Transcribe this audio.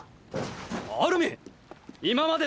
アルミン⁉今まで